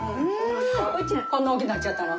こんな大きゅうなっちゃったの。